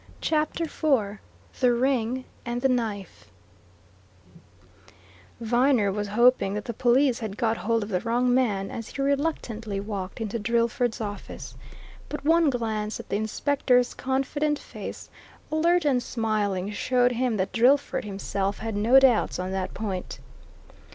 CHAPTER IV THE RING AND THE KNIFE Viner was hoping that the police had got hold of the wrong man as he reluctantly walked into Drillford's office, but one glance at the inspector's confident face, alert and smiling, showed him that Drillford himself had no doubts on that point.